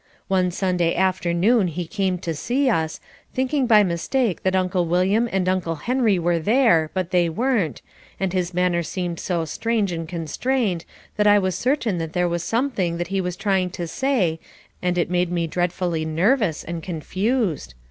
One Sunday afternoon he came to see us, thinking by mistake that Uncle William and Uncle Henry were there, but they weren't, and his manner seemed so strange and constrained that I was certain that there was something that he was trying to say and it made me dreadfully nervous and confused.